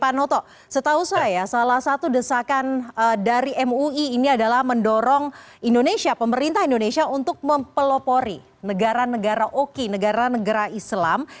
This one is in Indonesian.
pak noto setahu saya salah satu desakan dari mui ini adalah mendorong indonesia pemerintah indonesia untuk mempelopori negara negara oki negara negara islam